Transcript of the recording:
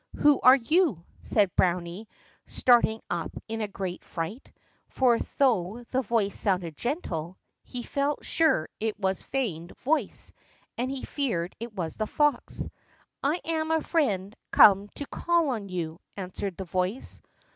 "Who are you?" said Browny, starting up in great fright, for though the voice sounded gentle, he felt sure it was a feigned voice and he feared it was the fox. "I am a friend come to call on you," answered the voice.